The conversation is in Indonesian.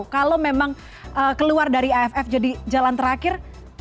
kalau memang keluar dari aff jadi jalan terakhir